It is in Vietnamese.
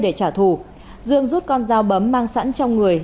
để trả thù dương rút con dao bấm mang sẵn trong người